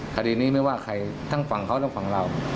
คดีนี้ไม่ว่าใครทั้งฝั่งเขาและฝั่งเรา